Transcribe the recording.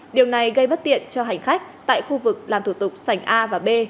điều này gây bất tiện cho hành khách tại khu vực làm thủ tục sảnh a và b